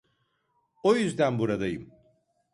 O yüzden buradayım.